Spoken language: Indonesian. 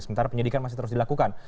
sementara penyidikan masih terus dilakukan